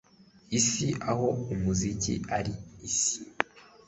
isi aho umuziki ari isi